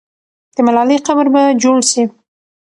د ملالۍ قبر به جوړ سي.